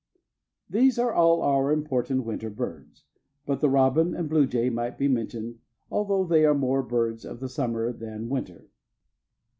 These are all our important winter birds, but the robin and bluejay might be mentioned although they are more birds of the summer than winter.